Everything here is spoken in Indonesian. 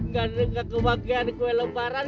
gak kebukaan kue lembaran